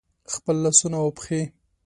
خپل لاسونه او پښې